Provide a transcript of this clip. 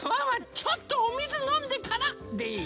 ちょっとおみずのんでからでいい？